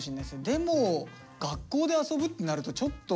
でも学校で遊ぶってなるとちょっと。